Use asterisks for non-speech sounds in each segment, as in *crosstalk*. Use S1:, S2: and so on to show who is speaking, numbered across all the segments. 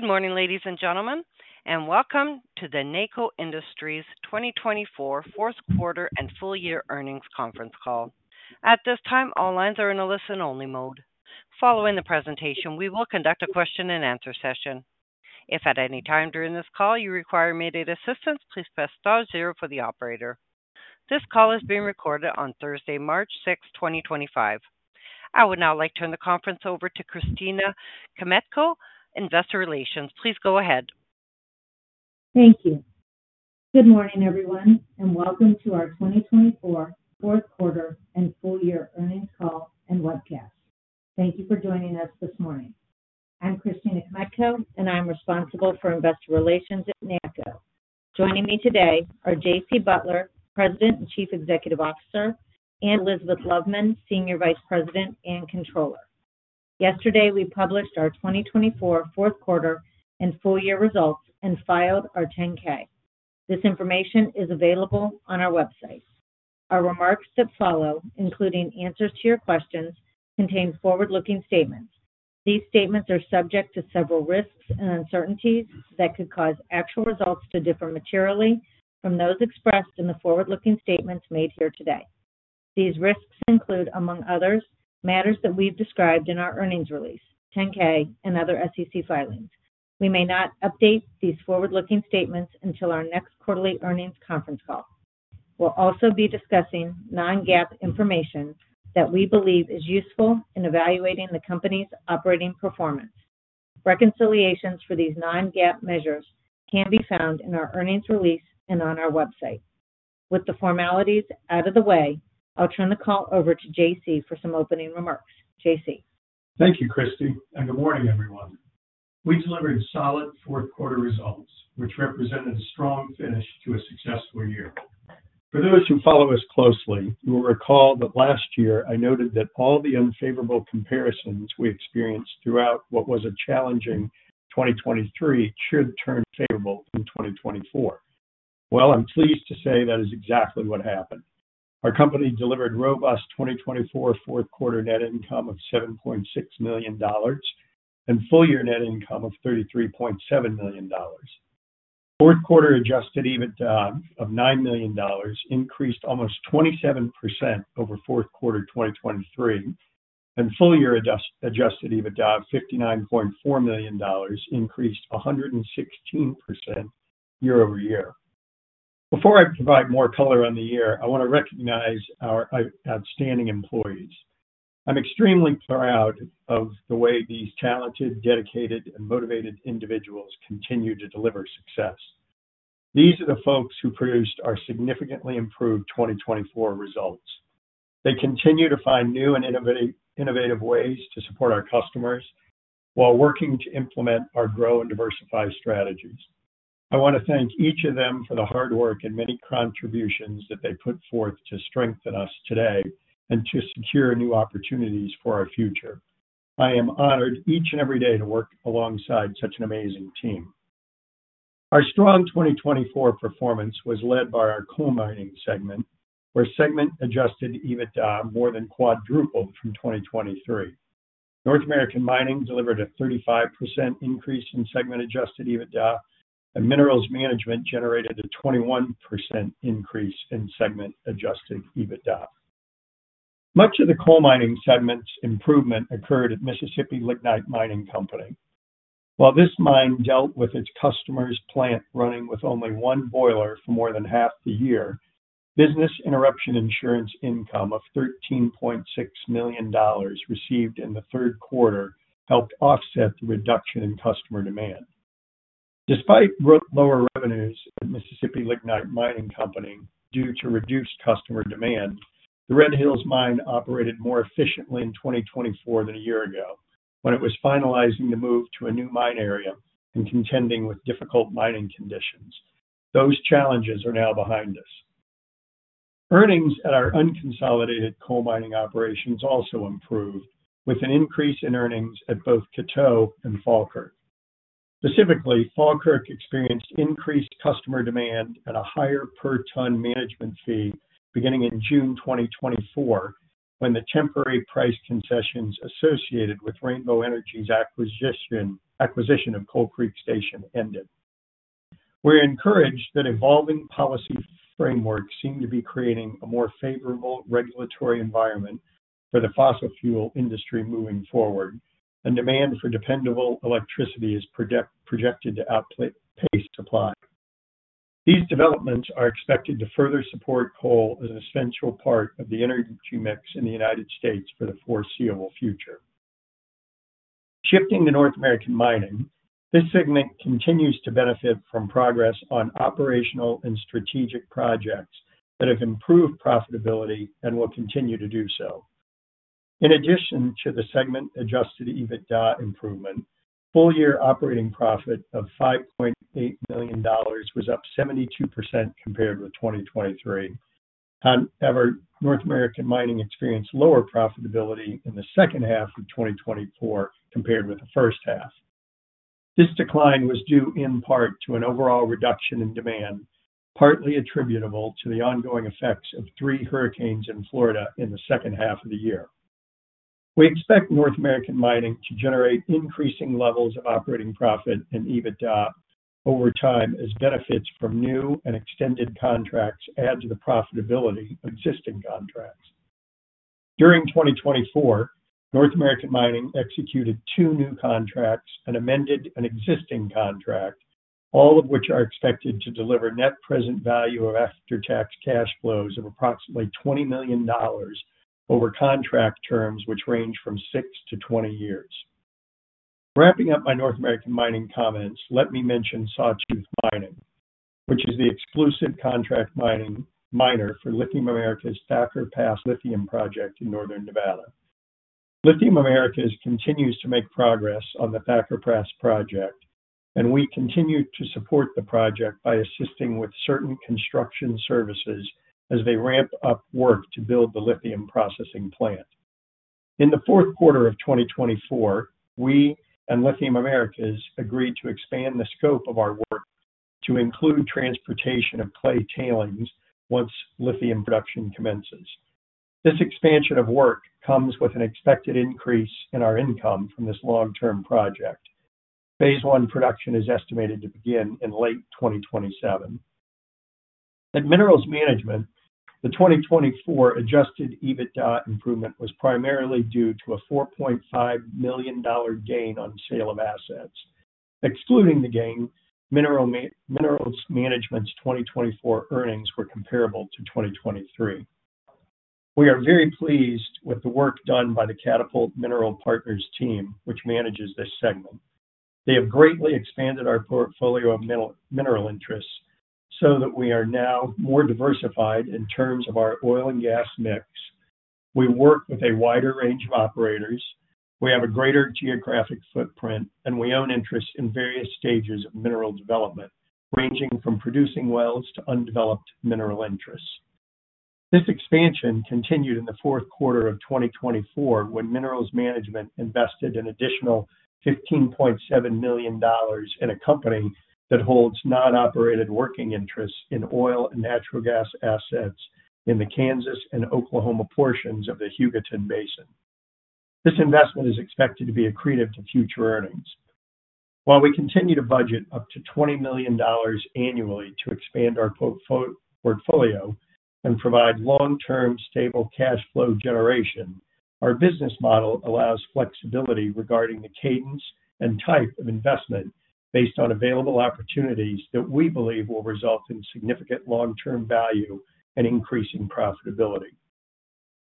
S1: Good morning, ladies and gentlemen, and welcome to the NACCO Industries 2024 fourth quarter and full year earnings conference call. At this time, all lines are in a listen-only mode. Following the presentation, we will conduct a question-and-answer session. If at any time during this call you require immediate assistance, please press star zero for the operator. This call is being recorded on Thursday, March 6, 2025. I would now like to turn the conference over to Christina Kmetko, investor relations. Please go ahead.
S2: Thank you. Good morning, everyone, and welcome to our 2024 fourth quarter and full year earnings call and webcast. Thank you for joining us this morning. I'm Christina Kmetko, and I'm responsible for investor relations at NACCO. Joining me today are J.C. Butler, President and Chief Executive Officer, and Elizabeth Loveman, Senior Vice President and Controller. Yesterday, we published our 2024 fourth quarter and full year results and filed our 10-K. This information is available on our website. Our remarks that follow, including answers to your questions, contain forward-looking statements. These statements are subject to several risks and uncertainties that could cause actual results to differ materially from those expressed in the forward-looking statements made here today. These risks include, among others, matters that we've described in our earnings release, 10-K, and other SEC filings. We may not update these forward-looking statements until our next quarterly earnings conference call. We'll also be discussing non-GAAP information that we believe is useful in evaluating the company's operating performance. Reconciliations for these non-GAAP measures can be found in our earnings release and on our website. With the formalities out of the way, I'll turn the call over to J.C. for some opening remarks. J.C.?
S3: Thank you, Christy, and good morning, everyone. We delivered solid fourth quarter results, which represented a strong finish to a successful year. For those who follow us closely, you will recall that last year I noted that all the unfavorable comparisons we experienced throughout what was a challenging 2023 should turn favorable in 2024. I am pleased to say that is exactly what happened. Our company delivered robust 2024 fourth quarter net income of $7.6 million and full year net income of $33.7 million. Fourth quarter adjusted EBITDA of $9 million increased almost 27% over fourth quarter 2023, and full year adjusted EBITDA of $59.4 million increased 116% year-over-year. Before I provide more color on the year, I want to recognize our outstanding employees. I am extremely proud of the way these talented, dedicated, and motivated individuals continue to deliver success. These are the folks who produced our significantly improved 2024 results. They continue to find new and innovative ways to support our customers while working to implement our grow and diversify strategies. I want to thank each of them for the hard work and many contributions that they put forth to strengthen us today and to secure new opportunities for our future. I am honored each and every day to work alongside such an amazing team. Our strong 2024 performance was led by our Coal Mining segment, where segment adjusted EBITDA more than quadrupled from 2023. North American Mining delivered a 35% increase in segment adjusted EBITDA, and Minerals Management generated a 21% increase in segment adjusted EBITDA. Much of the Coal Mining segment's improvement occurred at Mississippi Lignite Mining Company. While this mine dealt with its customer's plant running with only one boiler for more than half the year, business interruption insurance income of $13.6 million received in the third quarter helped offset the reduction in customer demand. Despite lower revenues at Mississippi Lignite Mining Company due to reduced customer demand, the Red Hills mine operated more efficiently in 2024 than a year ago when it was finalizing the move to a new mine area and contending with difficult mining conditions. Those challenges are now behind us. Earnings at our unconsolidated Coal Mining operations also improved, with an increase in earnings at both Coteau and Falkirk. Specifically, Falkirk experienced increased customer demand and a higher per-ton management fee beginning in June 2024 when the temporary price concessions associated with Rainbow Energy's acquisition of Coal Creek Station ended. We're encouraged that evolving policy frameworks seem to be creating a more favorable regulatory environment for the fossil fuel industry moving forward, and demand for dependable electricity is projected to outpace supply. These developments are expected to further support coal as an essential part of the energy mix in the United States for the foreseeable future. Shifting to North American Mining, this segment continues to benefit from progress on operational and strategic projects that have improved profitability and will continue to do so. In addition to the segment adjusted EBITDA improvement, full year operating profit of $5.8 million was up 72% compared with 2023. However, North American Mining experienced lower profitability in the second half of 2024 compared with the first half. This decline was due in part to an overall reduction in demand, partly attributable to the ongoing effects of three hurricanes in Florida in the second half of the year. We expect North American Mining to generate increasing levels of operating profit and EBITDA over time as benefits from new and extended contracts add to the profitability of existing contracts. During 2024, North American Mining executed two new contracts and amended an existing contract, all of which are expected to deliver net present value of after-tax cash flows of approximately $20 million over contract terms which range from six-20 years. Wrapping up my North American Mining comments, let me mention Sawtooth Mining, which is the exclusive contract miner for Lithium Americas' Thacker Pass lithium project in Northern Nevada. Lithium Americas continues to make progress on the Thacker Pass project, and we continue to support the project by assisting with certain construction services as they ramp up work to build the lithium processing plant. In the fourth quarter of 2024, we and Lithium Americas agreed to expand the scope of our work to include transportation of clay tailings once lithium production commences. This expansion of work comes with an expected increase in our income from this long-term project. Phase one production is estimated to begin in late 2027. At Minerals Management, the 2024 adjusted EBITDA improvement was primarily due to a $4.5 million gain on sale of assets. Excluding the gain, Minerals Management's 2024 earnings were comparable to 2023. We are very pleased with the work done by the Catapult Mineral Partners team, which manages this segment. They have greatly expanded our portfolio of mineral interests so that we are now more diversified in terms of our oil and gas mix. We work with a wider range of operators. We have a greater geographic footprint, and we own interests in various stages of mineral development, ranging from producing wells to undeveloped mineral interests. This expansion continued in the fourth quarter of 2024 when Minerals Management invested an additional $15.7 million in a company that holds non-operated working interests in oil and natural gas assets in the Kansas and Oklahoma portions of the Hugoton basin. This investment is expected to be accretive to future earnings. While we continue to budget up to $20 million annually to expand our portfolio and provide long-term stable cash flow generation, our business model allows flexibility regarding the cadence and type of investment based on available opportunities that we believe will result in significant long-term value and increasing profitability.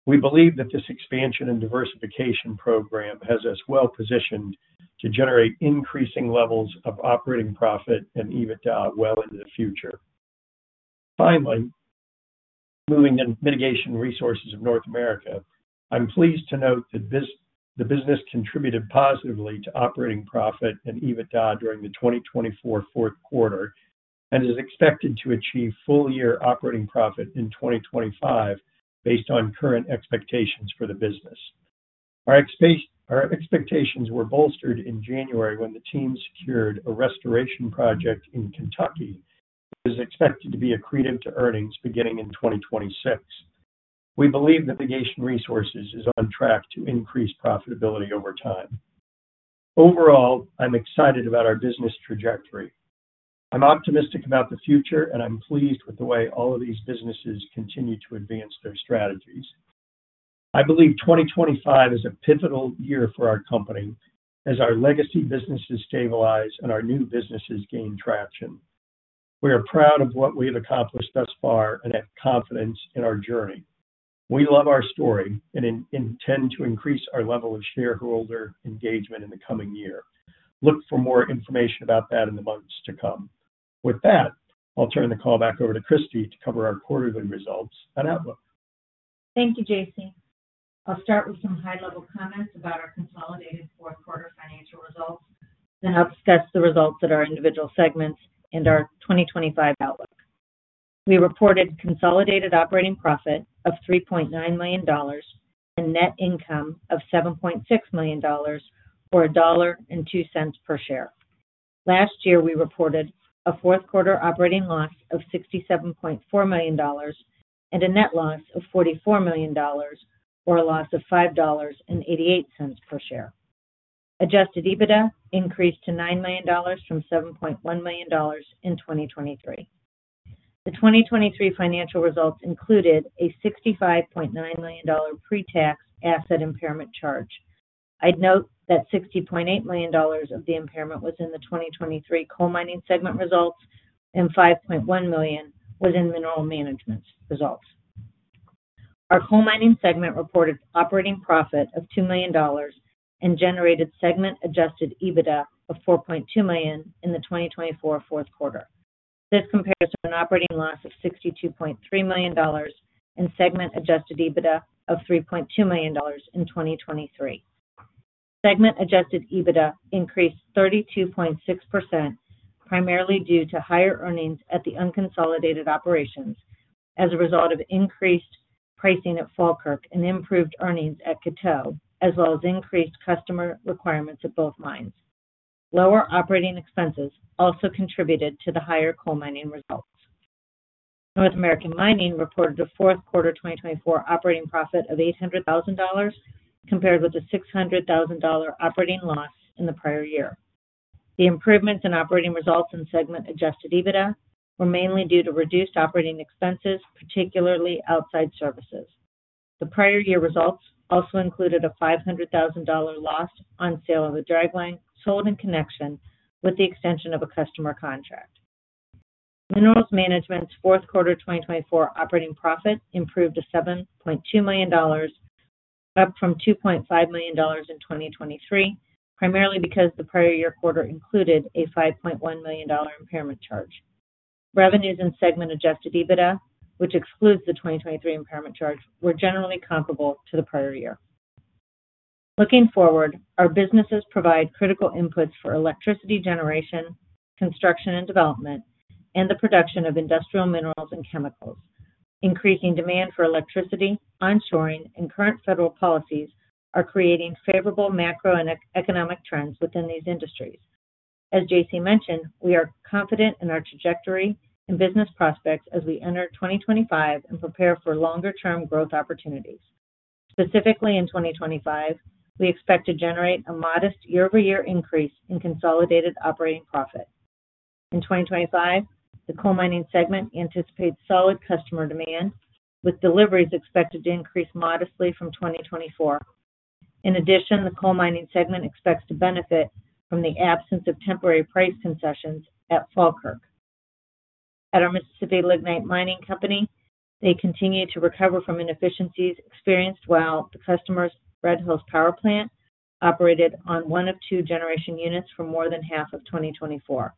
S3: We believe that this expansion and diversification program has us well positioned to generate increasing levels of operating profit and EBITDA well into the future. Finally, moving to Mitigation Resources of North America, I'm pleased to note that the business contributed positively to operating profit and EBITDA during the 2024 fourth quarter and is expected to achieve full year operating profit in 2025 based on current expectations for the business. Our expectations were bolstered in January when the team secured a restoration project in Kentucky, which is expected to be accretive to earnings beginning in 2026. We believe Mitigation Resources is on track to increase profitability over time. Overall, I'm excited about our business trajectory. I'm optimistic about the future, and I'm pleased with the way all of these businesses continue to advance their strategies. I believe 2025 is a pivotal year for our company as our legacy businesses stabilize and our new businesses gain traction. We are proud of what we have accomplished thus far and have confidence in our journey. We love our story and intend to increase our level of shareholder engagement in the coming year. Look for more information about that in the months to come. With that, I'll turn the call back over to Christy to cover our quarterly results and outlook.
S2: Thank you, J.C. I'll start with some high-level comments about our consolidated fourth quarter financial results, then I'll discuss the results at our individual segments and our 2025 outlook. We reported consolidated operating profit of $3.9 million and net income of $7.6 million or $1.02 per share. Last year, we reported a fourth quarter operating loss of $67.4 million and a net loss of $44 million or a loss of $5.88 per share. Adjusted EBITDA increased to $9 million from $7.1 million in 2023. The 2023 financial results included a $65.9 million pre-tax asset impairment charge. I'd note that $60.8 million of the impairment was in the 2023 Coal Mining segment results and $5.1 million was in mineral management's results. Our Coal Mining segment reported operating profit of $2 million and generated segment adjusted EBITDA of $4.2 million in the 2024 fourth quarter. This compares to an operating loss of $62.3 million and segment adjusted EBITDA of $3.2 million in 2023. Segment adjusted EBITDA increased 32.6%, primarily due to higher earnings at the unconsolidated operations as a result of increased pricing at Falkirk and improved earnings at Coteau, as well as increased customer requirements at both mines. Lower operating expenses also contributed to the higher Coal Mining results. North American Mining reported a fourth quarter 2024 operating profit of $800,000 compared with a $600,000 operating loss in the prior year. The improvements in operating results and segment adjusted EBITDA were mainly due to reduced operating expenses, particularly outside services. The prior year results also included a $500,000 loss on sale of a dragline sold in connection with the extension of a customer contract. Minerals Management's fourth quarter 2024 operating profit improved to $7.2 million, up from $2.5 million in 2023, primarily because the prior year quarter included a $5.1 million impairment charge. Revenues and segment adjusted EBITDA, which excludes the 2023 impairment charge, were generally comparable to the prior year. Looking forward, our businesses provide critical inputs for electricity generation, construction and development, and the production of industrial minerals and chemicals. Increasing demand for electricity, onshoring, and current federal policies are creating favorable macro and economic trends within these industries. As J.C. mentioned, we are confident in our trajectory and business prospects as we enter 2025 and prepare for longer-term growth opportunities. Specifically, in 2025, we expect to generate a modest year-over-year increase in consolidated operating profit. In 2025, the Coal Mining segment anticipates solid customer demand, with deliveries expected to increase modestly from 2024. In addition, the Coal Mining segment expects to benefit from the absence of temporary price concessions at Falkirk. At our Mississippi Lignite Mining Company, they continue to recover from inefficiencies experienced while the customer's Red Hills power plant operated on one of two generation units for more than half of 2024.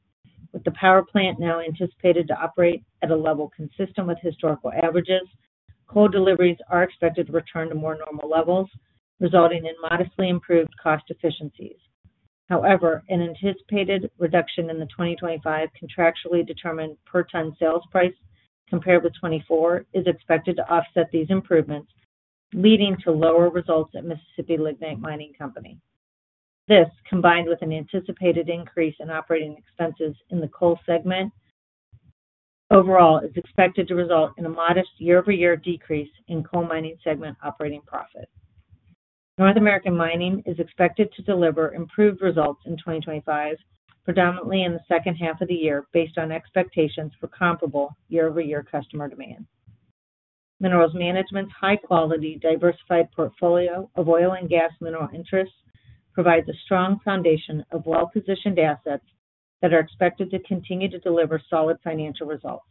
S2: With the power plant now anticipated to operate at a level consistent with historical averages, coal deliveries are expected to return to more normal levels, resulting in modestly improved cost efficiencies. However, an anticipated reduction in the 2025 contractually determined per-ton sales price compared with 2024 is expected to offset these improvements, leading to lower results at Mississippi Lignite Mining Company. This, combined with an anticipated increase in operating expenses in the coal segment, overall is expected to result in a modest year-over-year decrease in Coal Mining segment operating profit. North American Mining is expected to deliver improved results in 2025, predominantly in the second half of the year, based on expectations for comparable year-over-year customer demand. Minerals Management's high-quality, diversified portfolio of oil and gas mineral interests provides a strong foundation of well-positioned assets that are expected to continue to deliver solid financial results.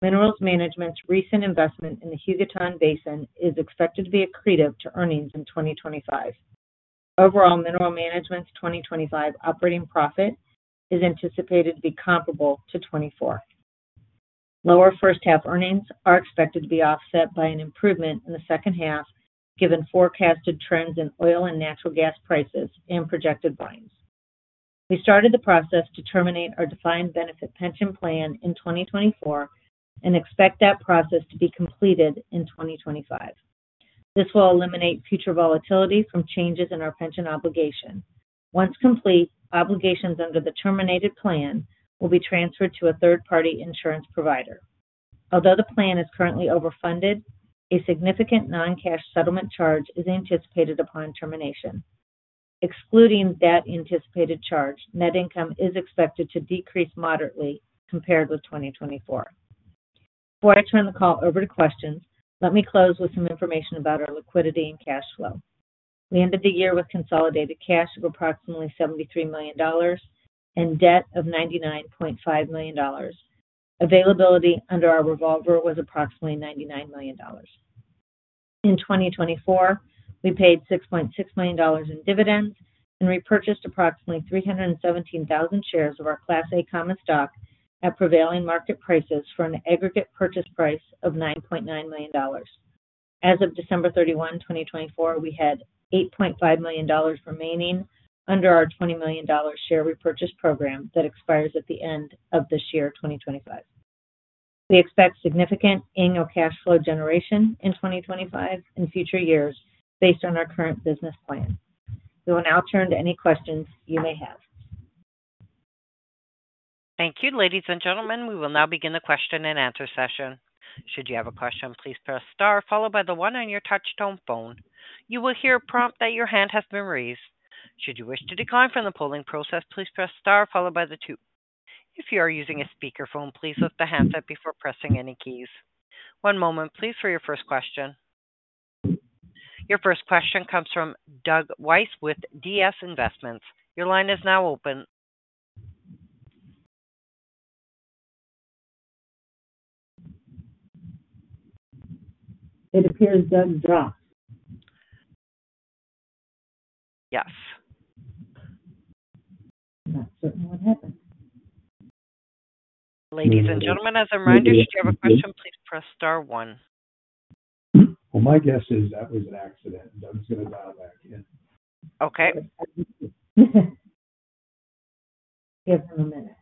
S2: Minerals Management's recent investment in the Hugoton basin is expected to be accretive to earnings in 2025. Overall, Minerals Management's 2025 operating profit is anticipated to be comparable to 2024. Lower first half earnings are expected to be offset by an improvement in the second half, given forecasted trends in oil and natural gas prices and projected volumes. We started the process to terminate our defined benefit pension plan in 2024 and expect that process to be completed in 2025. This will eliminate future volatility from changes in our pension obligation. Once complete, obligations under the terminated plan will be transferred to a third-party insurance provider. Although the plan is currently overfunded, a significant non-cash settlement charge is anticipated upon termination. Excluding that anticipated charge, net income is expected to decrease moderately compared with 2024. Before I turn the call over to questions, let me close with some information about our liquidity and cash flow. We ended the year with consolidated cash of approximately $73 million and debt of $99.5 million. Availability under our revolver was approximately $99 million. In 2024, we paid $6.6 million in dividends and repurchased approximately 317,000 shares of our Class A common stock at prevailing market prices for an aggregate purchase price of $9.9 million. As of December 31, 2024, we had $8.5 million remaining under our $20 million share repurchase program that expires at the end of this year, 2025. We expect significant annual cash flow generation in 2025 and future years based on our current business plan. We will now turn to any questions you may have.
S1: Thank you, ladies and gentlemen. We will now begin the question-and-answer session. Should you have a question, please press star followed by the one on your touch-tone phone. You will hear a prompt that your hand has been raised. Should you wish to decline from the polling process, please press star followed by the two. If you are using a speakerphone, please lift the handset before pressing any keys. One moment, please, for your first question. Your first question comes from Doug Weiss with DSW Investment. Your line is now open.
S4: It appears Doug dropped.
S1: Yes.
S2: Not certain what happened.
S1: Ladies and gentlemen, as a reminder, should you have a question, please press star one.
S3: My guess is that was an accident. Doug's going to dial back in.
S1: Okay.
S4: Give him a minute.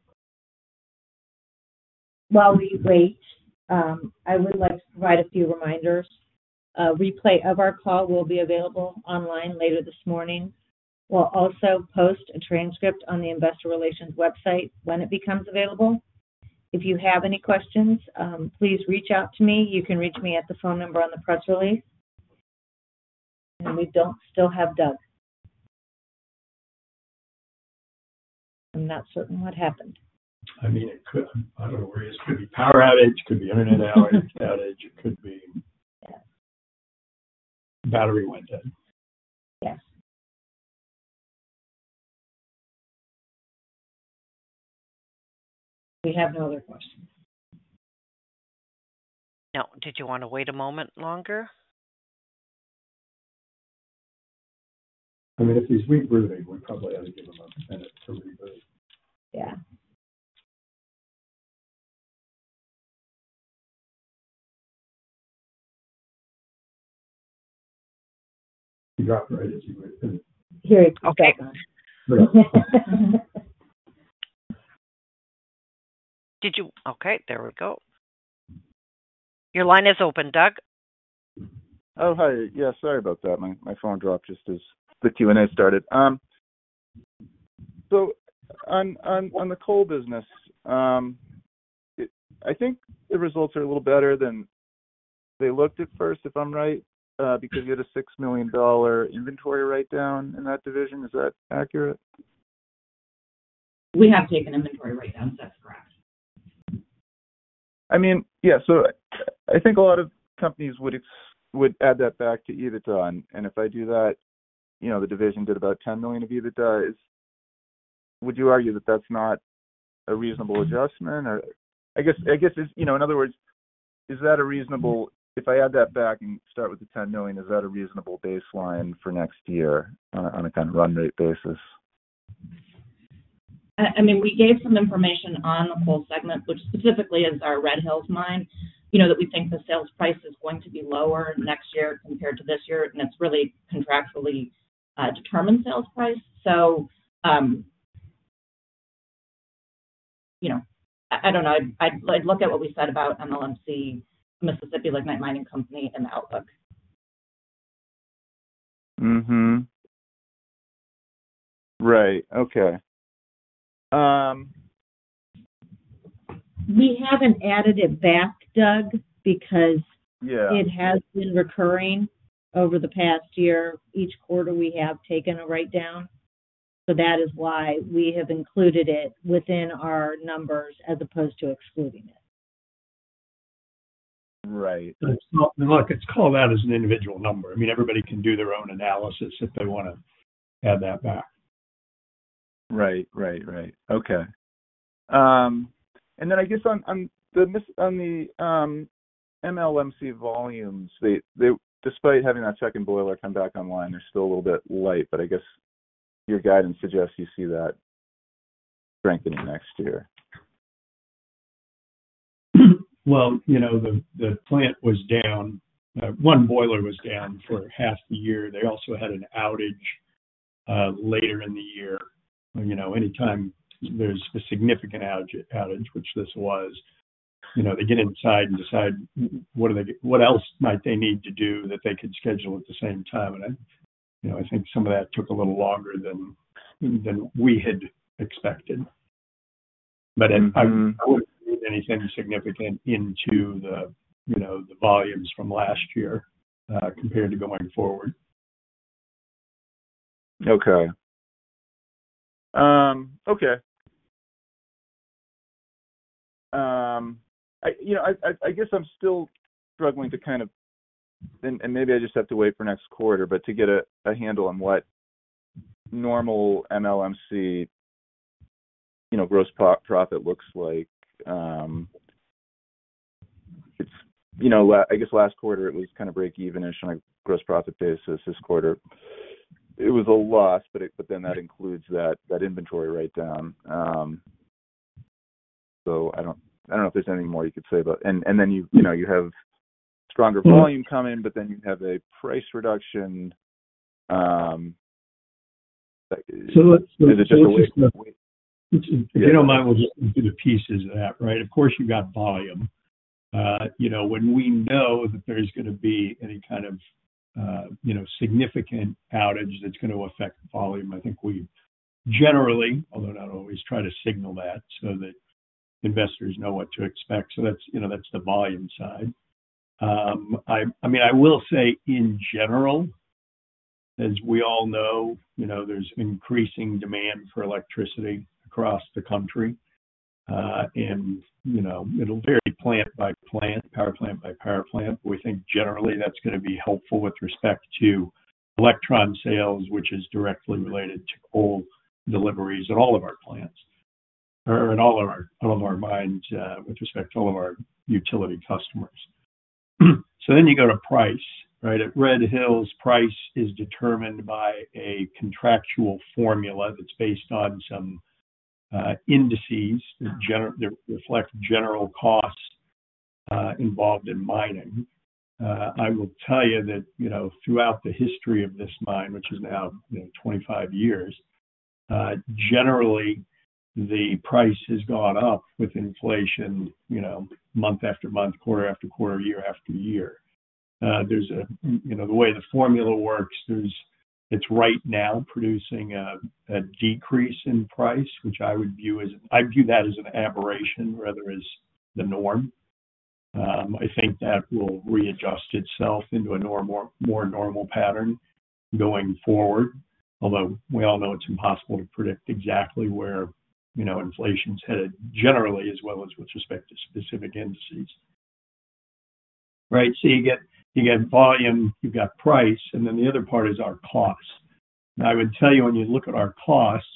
S2: While we wait, I would like to provide a few reminders. A replay of our call will be available online later this morning. We'll also post a transcript on the investor relations website when it becomes available. If you have any questions, please reach out to me. You can reach me at the phone number on the press release. We don't still have Doug. I'm not certain what happened.
S3: I mean, I don't know where he is. It could be power outage. It could be internet outage. It could be battery went dead.
S4: Yes.
S2: We have no other questions.
S1: No. Did you want to wait a moment longer?
S3: I mean, if he's rebooting, we probably ought to give him a minute to reboot.
S4: Yeah.
S3: He dropped right as he went through.
S2: *audio distortion*
S1: Okay. There we go. Your line is open, Doug.
S5: Oh, hi. Yeah, sorry about that. My phone dropped just as the Q&A started. On the coal business, I think the results are a little better than they looked at first, if I'm right, because you had a $6 million inventory write-down in that division. Is that accurate?
S4: We have taken inventory write-downs. That's correct.
S5: I mean, yeah. I think a lot of companies would add that back to EBITDA. If I do that, the division did about $10 million of EBITDA. Would you argue that is not a reasonable adjustment? I guess, in other words, is that a reasonable? if I add that back and start with the $10 million, is that a reasonable baseline for next year on a kind of run rate basis?
S2: I mean, we gave some information on the coal segment, which specifically is our Red Hills mine, that we think the sales price is going to be lower next year compared to this year, and it's really contractually determined sales price. I don't know. I'd look at what we said about MLMC, Mississippi Lignite Mining Company, and the outlook.
S5: Right. Okay.
S2: We have not added it back, Doug, because it has been recurring over the past year. Each quarter, we have taken a write-down. That is why we have included it within our numbers as opposed to excluding it.
S5: Right.
S3: Look, it's called out as an individual number. I mean, everybody can do their own analysis if they want to add that back.
S5: Right. Right. Right. Okay. I guess on the MLMC volumes, despite having that second boiler come back online, they're still a little bit light. I guess your guidance suggests you see that strengthening next year.
S3: The plant was down. One boiler was down for half the year. They also had an outage later in the year. Anytime there's a significant outage, which this was, they get inside and decide what else might they need to do that they could schedule at the same time. I think some of that took a little longer than we had expected. I would not read anything significant into the volumes from last year compared to going forward. Okay. Okay. I guess I'm still struggling to kind of, and maybe I just have to wait for next quarter to get a handle on what normal MLMC gross profit looks like. I guess, last quarter, it was kind of break-even-ish on a gross profit basis. This quarter, it was a loss, but then that includes that inventory write-down. I don't know if there's anything more you could say about. You have stronger volume come in, but then you have a price reduction. Let's just. *crosstalk*
S5: *crosstalk*
S3: If you don't mind, we'll just do the pieces of that, right? Of course, you've got volume. When we know that there's going to be any kind of significant outage that's going to affect volume, I think we generally, although not always, try to signal that so that investors know what to expect. That's the volume side. I mean, I will say, in general, as we all know, there's increasing demand for electricity across the country. It will vary plant by plant, power plant by power plant. We think, generally, that's going to be helpful with respect to electron sales, which is directly related to coal deliveries at all of our plants or at all of our mines with respect to all of our utility customers. Then you go to price, right? At Red Hills, price is determined by a contractual formula that's based on some indices that reflect general costs involved in mining. I will tell you that throughout the history of this mine, which is now 25 years, generally, the price has gone up with inflation month after month, quarter after quarter, year after year. The way the formula works: It's right now producing a decrease in price, which I would view as, I view that as an aberration rather than the norm. I think that will readjust itself into a more normal pattern going forward, although we all know it's impossible to predict exactly where inflation's headed generally, as well as with respect to specific indices. Right. So you get volume, you've got price, and then the other part is our cost. I would tell you, when you look at our costs,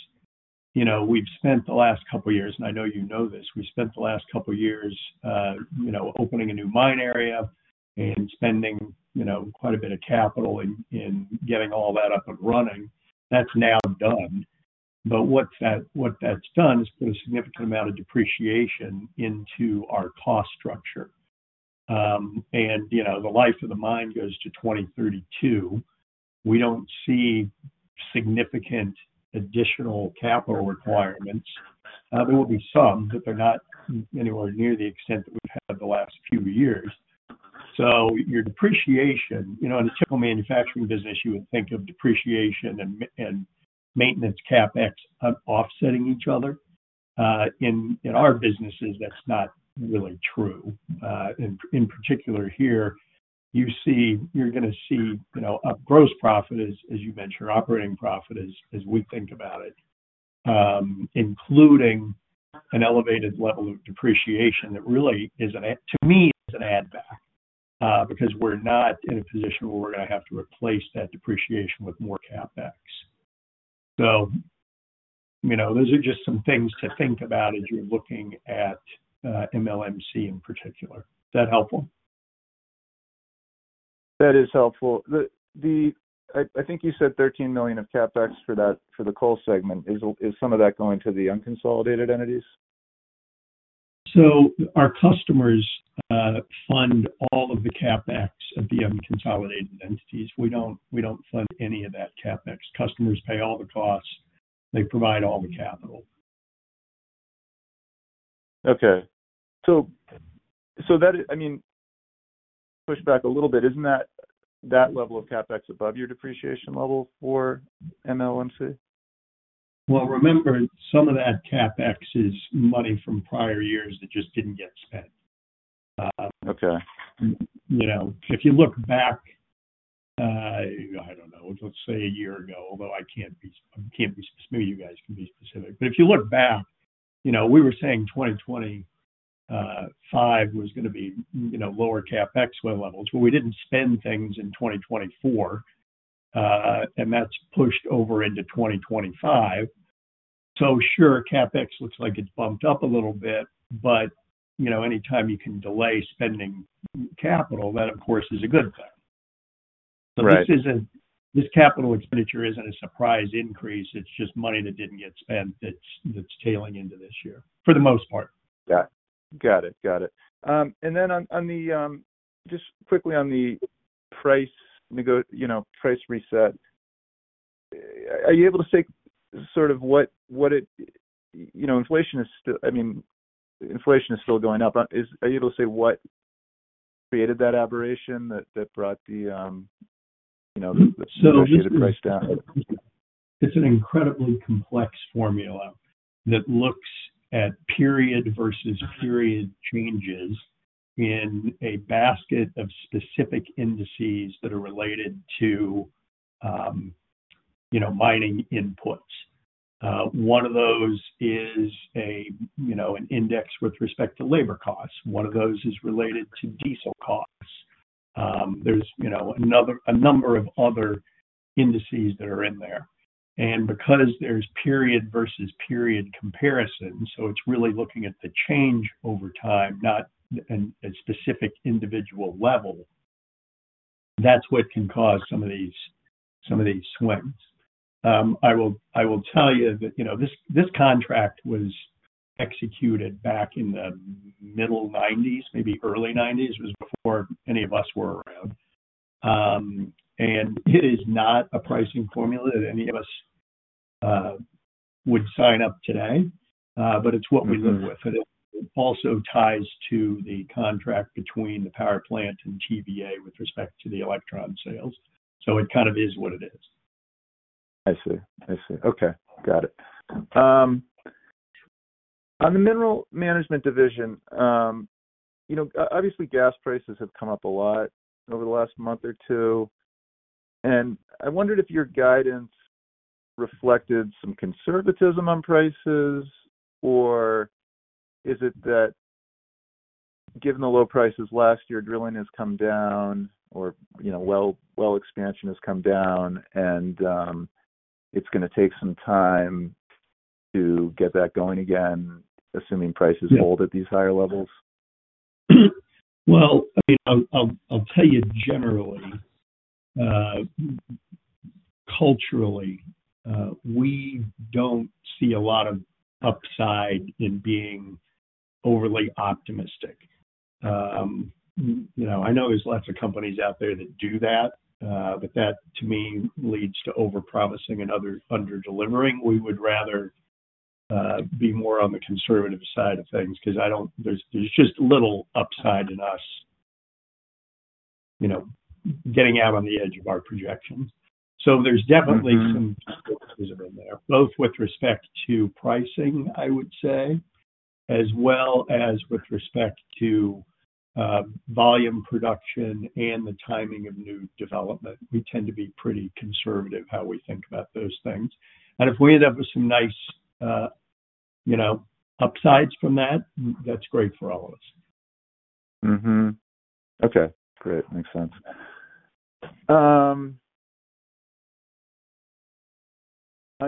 S3: we've spent the last couple of years, and I know you know this, we spent the last couple of years opening a new mine area and spending quite a bit of capital in getting all that up and running. That's now done. What that's done is put a significant amount of depreciation into our cost structure. The life of the mine goes to 2032. We do not see significant additional capital requirements. There will be some, but they're not anywhere near the extent that we've had the last few years. Your depreciation: In a typical manufacturing business, you would think of depreciation and maintenance CapEx offsetting each other. In our businesses, that's not really true. In particular, here, you're going to see up gross profit, as you mentioned, operating profit as we think about it, including an elevated level of depreciation that really, to me, is an add-back because we're not in a position where we're going to have to replace that depreciation with more CapEx. Those are just some things to think about as you're looking at MLMC in particular. Is that helpful?
S5: That is helpful. I think you said $13 million of CapEx for the coal segment. Is some of that going to the unconsolidated entities?
S3: Our customers fund all of the CapEx of the unconsolidated entities. We do not fund any of that CapEx. Customers pay all the costs. They provide all the capital.
S5: Okay. So that, I mean, to push back a little bit, isn't that level of CapEx above your depreciation level for MLMC?
S3: Remember some of that CapEx is money from prior years that just didn't get spent.
S5: Okay.
S3: If you look back, I don't know, let's say a year ago, although I can't be, maybe you guys can be specific. If you look back, we were saying 2025 was going to be lower CapEx levels. We didn't spend things in 2024, and that's pushed over into 2025. CapEx looks like it's bumped up a little bit, but anytime you can delay spending capital, that, of course, is a good thing. This capital expenditure isn't a surprise increase. It's just money that didn't get spent that's tailing into this year, for the most part.
S5: Got it. Got it. Just quickly on the price reset, are you able to say sort of what it inflation is still I mean inflation is still going up. Are you able to say what created that aberration that brought the associated price down? *crosstalk*
S3: It's an incredibly complex formula that looks at period-versus-period changes in a basket of specific indices that are related to mining inputs. One of those is an index with respect to labor costs. One of those is related to diesel costs. There are a number of other indices that are in there. Because there's period-versus-period comparison, it's really looking at the change over time, not a specific individual level. That's what can cause some of these swings. I will tell you that this contract was executed back in the middle 1990s, maybe early 1990s. It was before any of us were around. It is not a pricing formula that any of us would sign up for today, but it's what we live with. It also ties to the contract between the power plant and TVA with respect to the electron sales. It kind of is what it is.
S5: I see. I see. Okay. Got it. On the Minerals Management division, obviously, gas prices have come up a lot over the last month or two. I wondered if your guidance reflected some conservatism on prices. Or is it that, given the low prices last year, drilling has come down? Or well expansion has come down. And it's going to take some time to get that going again, assuming prices hold at these higher levels.
S3: I mean, I'll tell you generally, culturally, we don't see a lot of upside in being overly optimistic. I know there's lots of companies out there that do that, but that, to me, leads to overpromising and under-delivering. We would rather be more on the conservative side of things because there's just little upside in us getting out on the edge of our projections. There's definitely some conservatism in there, both with respect to pricing, I would say, as well as with respect to volume production and the timing of new development. We tend to be pretty conservative how we think about those things, but if we end up with some nice upsides from that, that's great for all of us.
S5: Okay. Great. Makes sense. On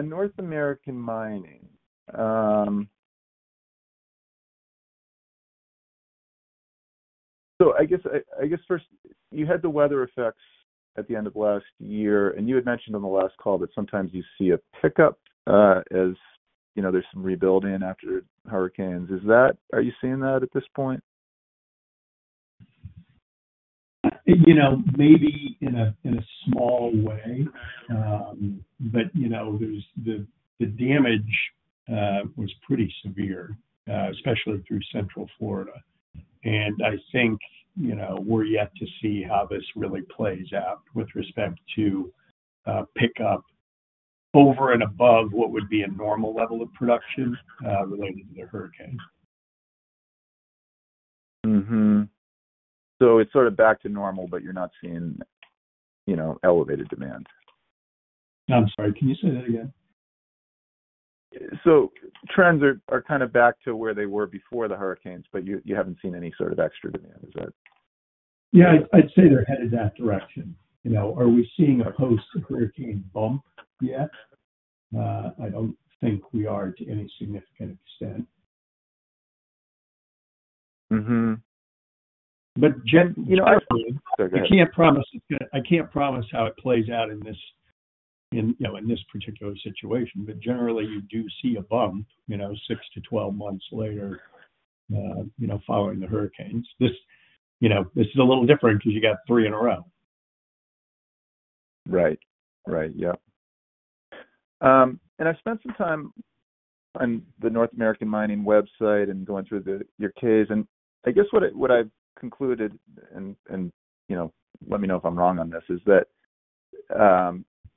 S5: North American Mining, I guess, first, you had the weather effects at the end of last year, and you had mentioned on the last call that sometimes you see a pickup as there's some rebuilding after hurricanes. Are you seeing that at this point?
S3: Maybe in a small way, but the damage was pretty severe, especially through Central Florida. I think we're yet to see how this really plays out with respect to pickup over and above what would be a normal level of production related to the hurricane.
S5: It's sort of back to normal, but you're not seeing elevated demand.
S3: I'm sorry. Can you say that again?
S5: Trends are kind of back to where they were before the hurricanes, but you haven't seen any sort of extra demand. Is that?
S3: Yeah. I'd say they're headed that direction. Are we seeing a post-hurricane bump yet? I don't think we are to any significant extent. Generally, I can't promise how it plays out in this particular situation. Generally, you do see a bump six-12 months later following the hurricanes. This is a little different because you got three in a row.
S5: Right. Right. Yep. I spent some time on the North American Mining website and going through your case. I guess what I've concluded, and let me know if I'm wrong on this, is that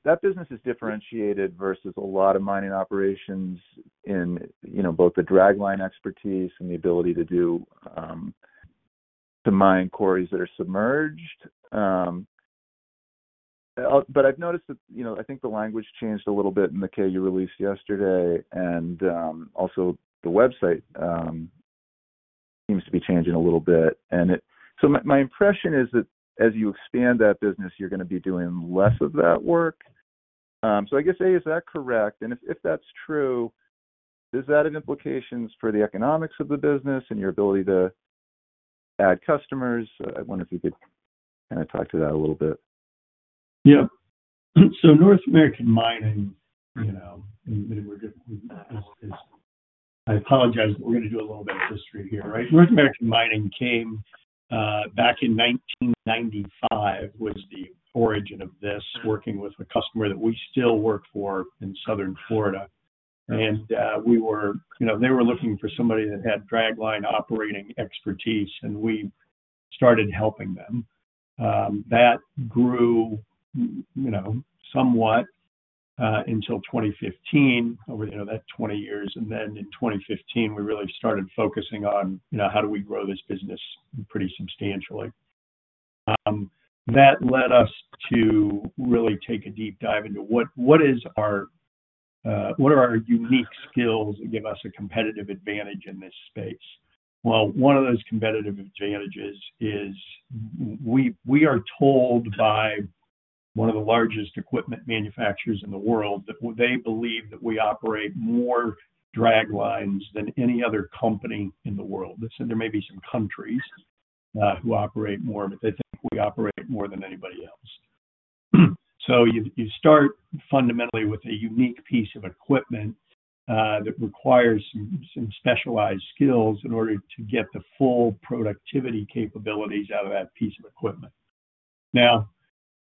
S5: that business is differentiated versus a lot of mining operations in both the dragline expertise and the ability to mine quarries that are submerged. I think the language changed a little bit in the case you released yesterday, and also the website seems to be changing a little bit. My impression is that as you expand that business, you're going to be doing less of that work. I guess, a, is that correct? If that's true, does that have implications for the economics of the business and your ability to add customers? I wonder if you could kind of talk to that a little bit.
S3: Yeah. North American Mining. And I apologize, but we're going to do a little bit of history here, right? North American Mining came back in 1995, was the origin of this, working with a customer that we still work for in Southern Florida. They were looking for somebody that had dragline operating expertise, and we started helping them. That grew somewhat until 2015, over that 20 years. In 2015, we really started focusing on how do we grow this business pretty substantially. That led us to really take a deep dive into what are our unique skills that give us a competitive advantage in this space. One of those competitive advantages is we are told by one of the largest equipment manufacturers in the world that they believe that we operate more draglines than any other company in the world. There may be some countries who operate more, but they think we operate more than anybody else. You start fundamentally with a unique piece of equipment that requires some specialized skills in order to get the full productivity capabilities out of that piece of equipment.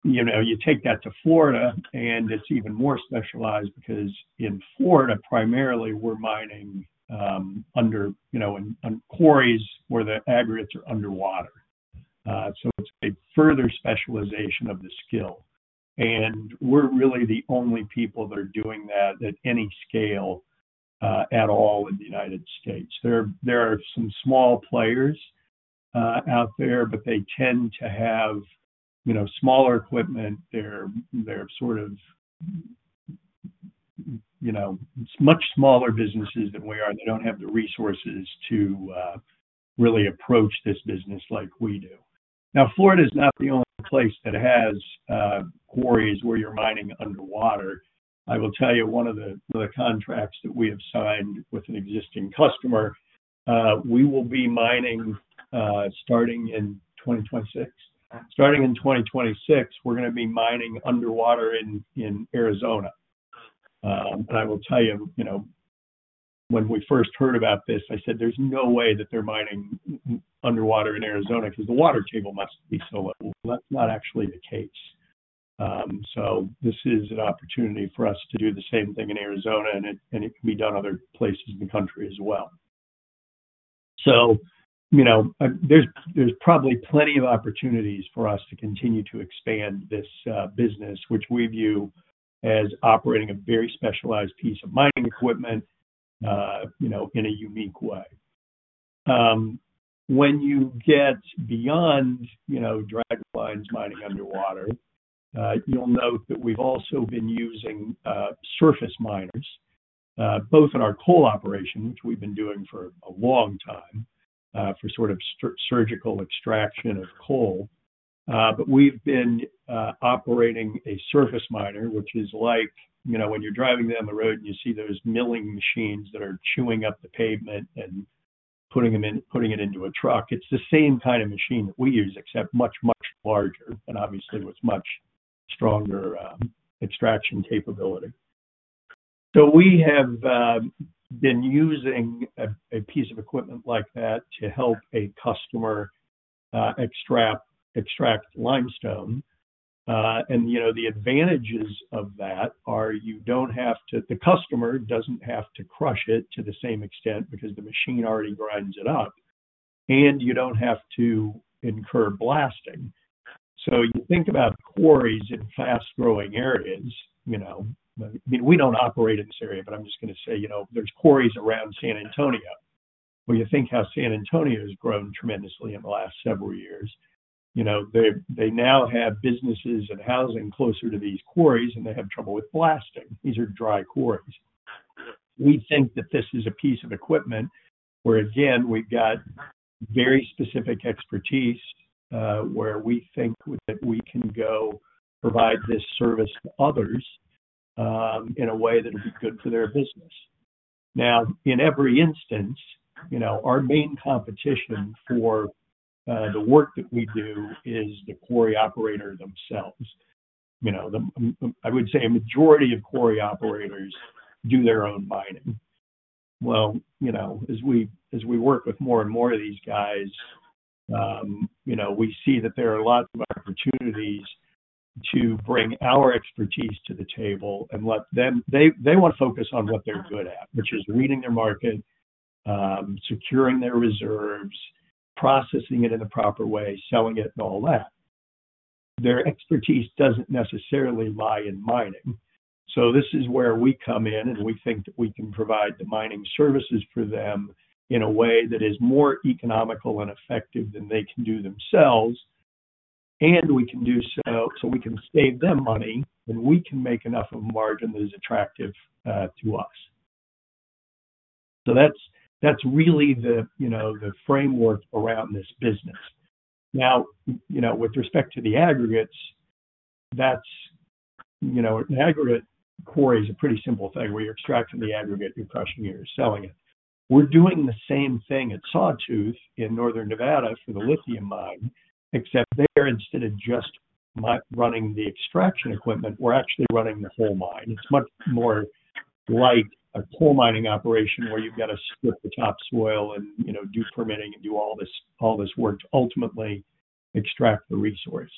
S3: You take that to Florida, and it is even more specialized because in Florida, primarily, we are mining quarries where the aggregates are underwater. It is a further specialization of the skill. We are really the only people that are doing that at any scale at all in the United States. There are some small players out there, but they tend to have smaller equipment. They are sort of much smaller businesses than we are. They do not have the resources to really approach this business like we do. Florida is not the only place that has quarries where you are mining underwater. I will tell you, one of the contracts that we have signed with an existing customer, we will be mining starting in 2026. Starting in 2026, we're going to be mining underwater in Arizona. I will tell you, when we first heard about this, I said, "There's no way that they're mining underwater in Arizona because the water table must be so low." That is not actually the case. This is an opportunity for us to do the same thing in Arizona, and it can be done other places in the country as well. There are probably plenty of opportunities for us to continue to expand this business, which we view as operating a very specialized piece of mining equipment in a unique way. When you get beyond draglines mining underwater, you'll note that we've also been using surface miners, both in our coal operation, which we've been doing for a long time for sort of surgical extraction of coal. We've been operating a surface miner, which is like when you're driving down the road and you see those milling machines that are chewing up the pavement and putting it into a truck. It's the same kind of machine that we use, except much, much larger and obviously with much stronger extraction capability. We have been using a piece of equipment like that to help a customer extract limestone. The advantages of that are you don't have to, the customer doesn't have to crush it to the same extent because the machine already grinds it up, and you don't have to incur blasting. You think about quarries in fast-growing areas. I mean we do not operate in this area, but I am just going to say there are quarries around San Antonio. You think how San Antonio has grown tremendously in the last several years. They now have businesses and housing closer to these quarries, and they have trouble with blasting. These are dry quarries. We think that this is a piece of equipment where, again, we have very specific expertise where we think that we can go provide this service to others in a way that will be good for their business. Now, in every instance, our main competition for the work that we do is the quarry operator themselves. I would say a majority of quarry operators do their own mining. As we work with more and more of these guys, we see that there are lots of opportunities to bring our expertise to the table and let them. They want to focus on what they're good at, which is reading their market, securing their reserves, processing it in the proper way, selling it, and all that. Their expertise doesn't necessarily lie in mining. This is where we come in, and we think that we can provide the mining services for them in a way that is more economical and effective than they can do themselves. We can do so. So we can save them money, and we can make enough of a margin that is attractive to us. That's really the framework around this business. Now, with respect to the aggregates. In aggregate, a quarry is a pretty simple thing where you're extracting the aggregate, you're crushing it, you're selling it. We're doing the same thing at Sawtooth in Northern Nevada for the lithium mine, except there, instead of just running the extraction equipment, we're actually running the whole mine. It's much more like a coal mining operation where you've got to strip the topsoil and do permitting and do all this work to ultimately extract the resource.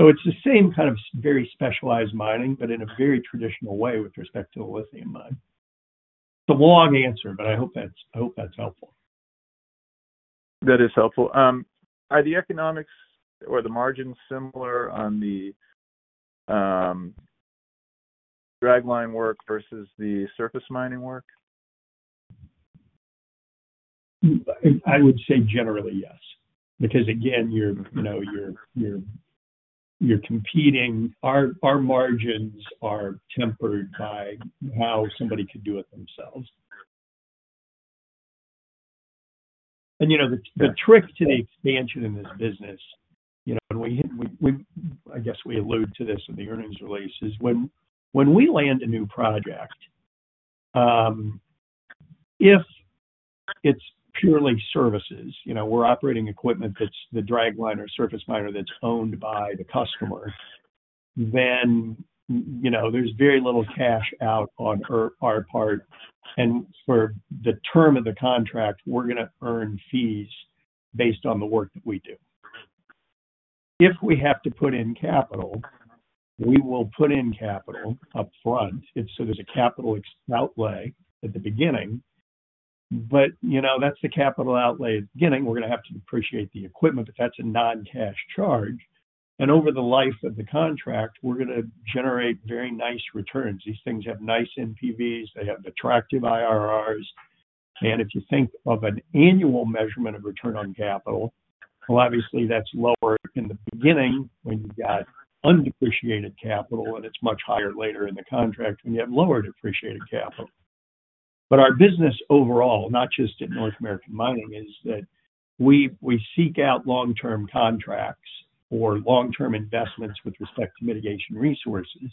S3: It is the same kind of very specialized mining but in a very traditional way with respect to the lithium mine. It's a long answer, but I hope that's helpful.
S5: That is helpful. Are the economics or the margins similar on the dragline work versus the surface mining work?
S3: I would say generally yes. Because, again, you're competing. Our margins are tempered by how somebody could do it themselves. The trick to the expansion in this business, and I guess we allude to this in the earnings release, is when we land a new project. If it's purely services, we're operating equipment that's the dragline or surface miner that's owned by the customer, then there's very little cash-out on our part. For the term of the contract, we're going to earn fees based on the work that we do. If we have to put in capital, we will put in capital upfront. There is a capital outlay at the beginning. That's the capital outlay at the beginning. We're going to have to depreciate the equipment, but that's a non-cash charge. Over the life of the contract, we're going to generate very nice returns. These things have nice NPVs. They have attractive IRRs. If you think of an annual measurement of return on capital, obviously, that's lower in the beginning when you've got undepreciated capital, and it's much higher later in the contract when you have lower depreciated capital. Our business overall, not just at North American Mining, is that we seek out long-term contracts or long-term investments with respect to Mitigation Resources.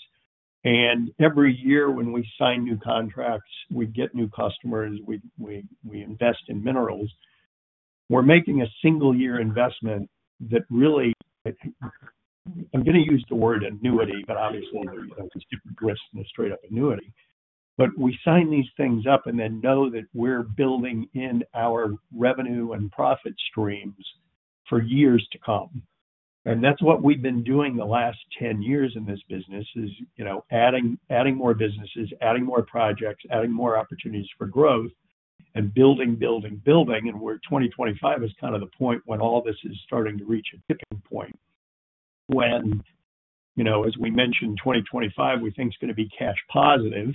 S3: Every year when we sign new contracts, we get new customers. We invest in minerals. We're making a single-year investment that really, I'm going to use the word annuity, but obviously there's different risks than a straight-up annuity. We sign these things up and then know that we're building in our revenue and profit streams for years to come. That is what we have been doing the last 10 years in this business, is adding more businesses, adding more projects, adding more opportunities for growth, and building, building, building. We are 2025 is kind of the point when all this is starting to reach a tipping point. As we mentioned, 2025, we think it is going to be cash positive.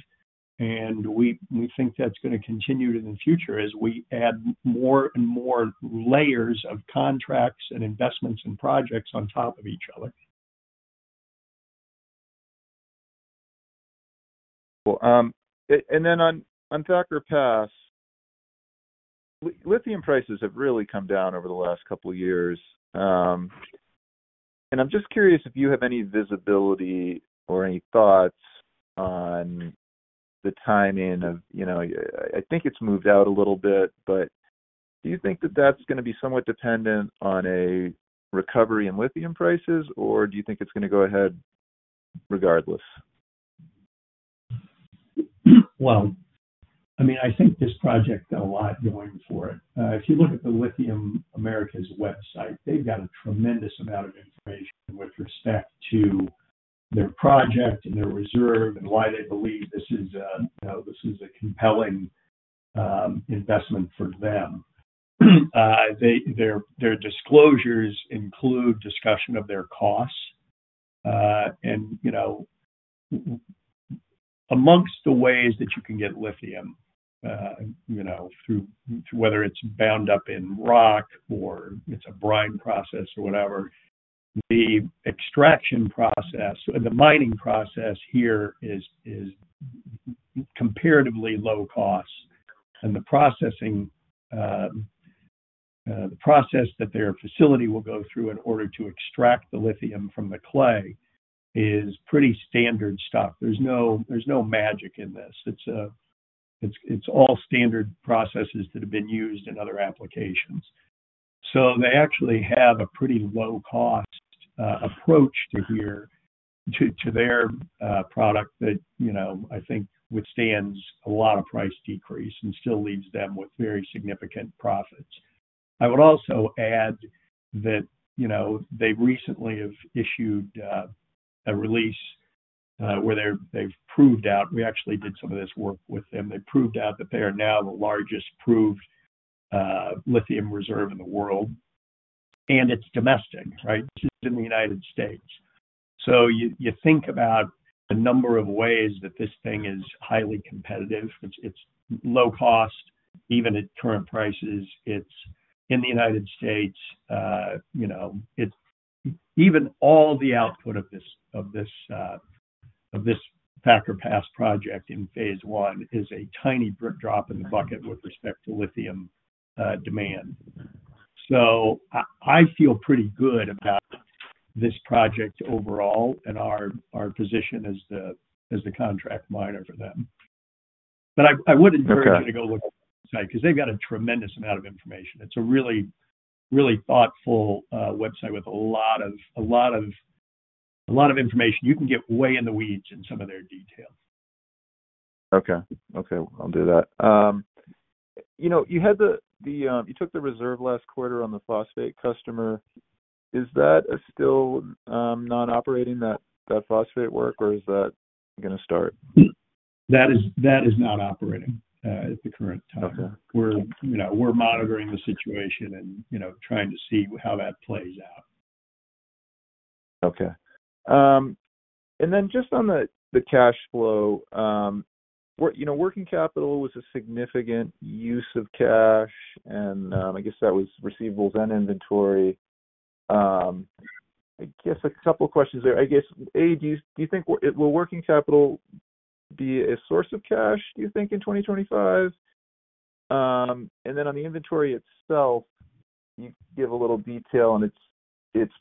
S3: We think that is going to continue in the future as we add more and more layers of contracts and investments and projects on top of each other.
S5: Wonderful. Then on Thacker Pass: Lithium prices have really come down over the last couple of years. I am just curious if you have any visibility or any thoughts on the timing of. I think it has moved out a little bit, but do you think that is going to be somewhat dependent on a recovery in lithium prices, or do you think it is going to go ahead regardless?
S3: I mean, I think this project got a lot going for it. If you look at the Lithium Americas website, they've got a tremendous amount of information with respect to their project and their reserve and why they believe this is a compelling investment for them. Their disclosures include discussion of their costs. Amongst the ways that you can get lithium, whether it's bound up in rock or it's a brine process or whatever, the extraction process, the mining process here is comparatively low cost. The process that their facility will go through in order to extract the lithium from the clay is pretty standard stuff. There's no magic in this. It's all standard processes that have been used in other applications. They actually have a pretty low-cost approach to their product that I think withstands a lot of price decrease and still leaves them with very significant profits. I would also add that they recently have issued a release where they've proved out. We actually did some of this work with them. They proved out that they are now the largest proved lithium reserve in the world. And it's domestic, right? This is in the United States. You think about the number of ways that this thing is highly competitive. It's low cost even at current prices. It's in the United States. Even all the output of this Thacker Pass project in phase one is a tiny drop in the bucket with respect to lithium demand. I feel pretty good about this project overall and our position as the contract miner for them. I would encourage you to go look at the website because they've got a tremendous amount of information. It's a really thoughtful website with a lot of information. You can get way in the weeds in some of their details.
S5: Okay. Okay. I'll do that. You took the reserve last quarter on the phosphate customer. Is that still not operating, that phosphate work, or is that going to start?
S3: That is not operating at the current time. We're monitoring the situation and trying to see how that plays out.
S5: Okay. And then just on the cash flow, working capital was a significant use of cash, and I guess that was receivables and inventory. I guess a couple of questions there. I guess, a, do you think, will working capital be a source of cash, do you think, in 2025? And then on the inventory itself, you gave a little detail, and it's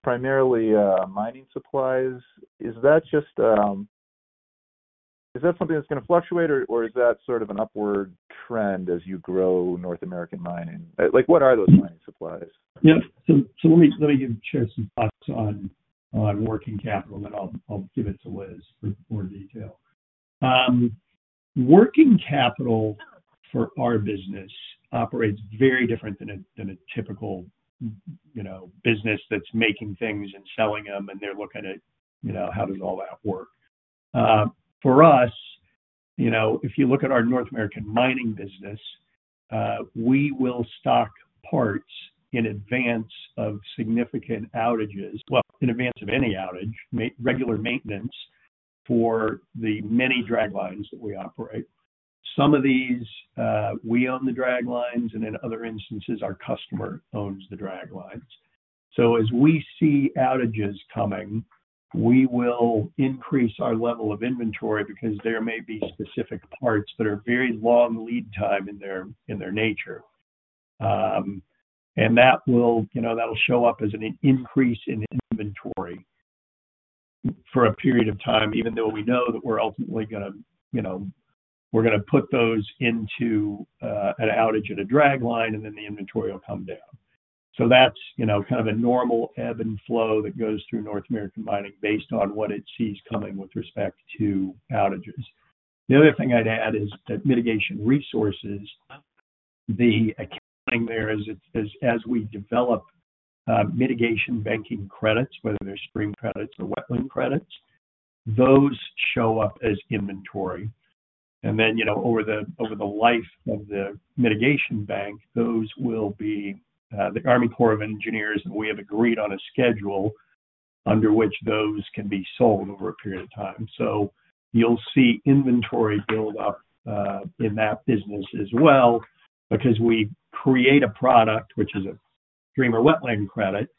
S5: primarily mining supplies. Is that something that's going to fluctuate, or is that sort of an upward trend as you grow North American Mining? What are those mining supplies?
S3: Yeah. Let me give share some thoughts on working capital, and then I'll give it to Liz for more detail. Working capital for our business operates very different than a typical business that's making things and selling them, and they're looking at how does all that work. For us, if you look at our North American Mining business, we will stock parts in advance of significant outages, well, in advance of any outage, regular maintenance, for the many draglines that we operate. Some of these, we own the draglines, and in other instances, our customer owns the draglines. As we see outages coming, we will increase our level of inventory because there may be specific parts that are very long lead time in their nature. That will show up as an increase in inventory for a period of time even though we know that we're ultimately going to we're going to put those into an outage at a dragline, and then the inventory will come down. That's kind of a normal ebb and flow that goes through North American Mining based on what it sees coming with respect to outages. The other thing I'd add is that, Mitigation Resources, the accounting there is, as we develop mitigation banking credits, whether they're stream credits or wetland credits, those show up as inventory. Then over the life of the mitigation bank, those will be the Army Corps of Engineers and we have agreed on a schedule under which those can be sold over a period of time. You'll see inventory build up in that business as well because we create a product which is a stream or wetland credit,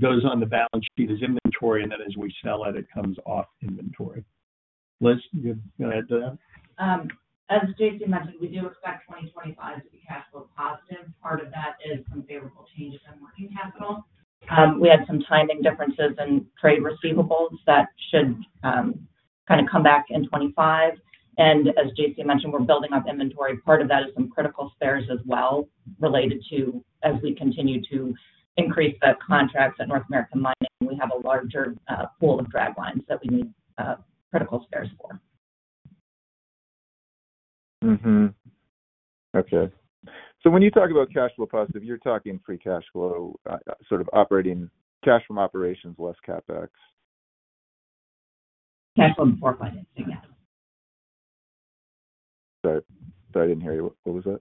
S3: goes on the balance sheet as inventory, and then as we sell it, it comes off inventory. Liz, do you want to add to that?
S4: As J.C. mentioned, we do expect 2025 to be cash flow positive. Part of that is some favorable changes in working capital. We had some timing differences in trade receivables that should kind of come back in 2025. As J.C. mentioned, we're building up inventory. Part of that is some critical spares as well related to, as we continue to increase the contracts at North American Mining, we have a larger pool of draglines that we need critical spares for.
S5: Okay. When you talk about cash flow positive, you're talking free cash flow, sort of operating cash from operations, less CapEx.
S4: Cash flow before financing, yes.
S5: I'm sorry. I didn't hear you. What was that?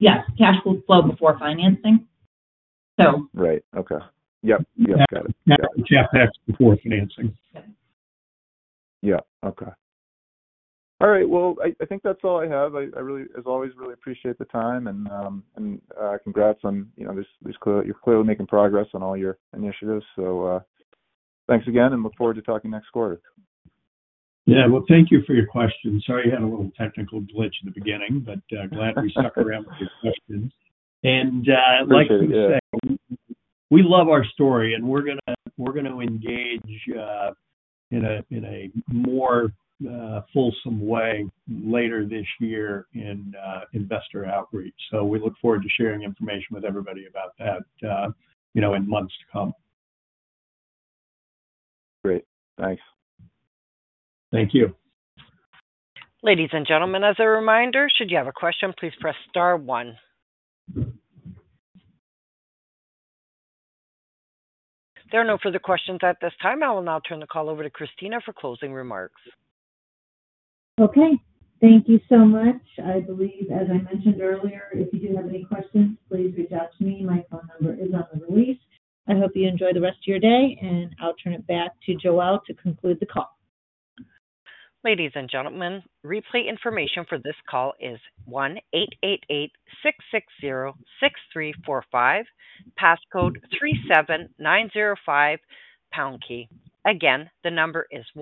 S4: Yes. Cash flow before financing.
S5: Right. Okay. Yep. Yep. Got it.
S3: CapEx before financing.
S5: Yep. Yeah. Okay. All right. I think that's all I have. I really, as always, really appreciate the time, and congrats on you're clearly making progress on all your initiatives. Thanks again, and look forward to talking next quarter.
S3: Thank you for your questions. Sorry you had a little technical glitch in the beginning but glad we stuck around with your questions. Like you say, we love our story, and we're going to engage in a more fulsome way later this year in investor outreach. We look forward to sharing information with everybody about that in months to come.
S5: Great. Thanks.
S3: Thank you.
S1: Ladies and gentlemen, as a reminder, should you have a question, please press star one. There are no further questions at this time. I will now turn the call over to Christina for closing remarks.
S2: Okay. Thank you so much. I believe, as I mentioned earlier, if you do have any questions, please reach out to me. My phone number is on the release. I hope you enjoy the rest of your day, and I'll turn it back to Joelle to conclude the call.
S1: Ladies and gentlemen, replay information for this call is 1-888-660-6345, passcode 37905, pound key. Again, the number is. *audio distortion*